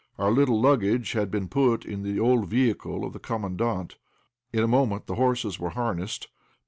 Our little luggage had been put in the old vehicle of the Commandant. In a moment the horses were harnessed.